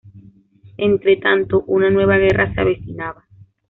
Entretanto, una nueva guerra se avecinaba.